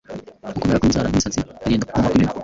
gukomera kw’inzara n’imisatsi, irinda kuma kw’iminwa